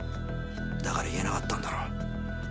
だから言えなかったんだろう。